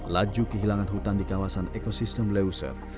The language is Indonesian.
laju kehilangan hutan di kawasan ekosistem leuser